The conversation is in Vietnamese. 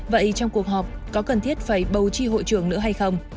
vậy trong cuộc họp có cần thiết phải bầu chi hội trường nữa hay không